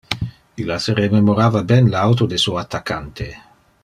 Illa se rememorava ben le auto de su attaccante.